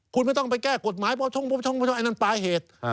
คุณไม่ต้องไปแก้กฎหมายประโยชน์อันนั้นปราเหตุ